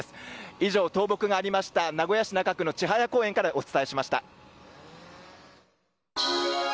以上、倒木がありました名古屋市中区の千早公園からお伝えしました。